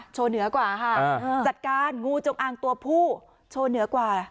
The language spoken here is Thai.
เหนือกว่าค่ะจัดการงูจงอางตัวผู้โชว์เหนือกว่า